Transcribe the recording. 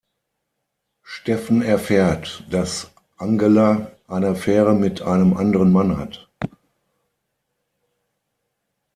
Stephen erfährt, dass Angela eine Affäre mit einem anderen Mann hat.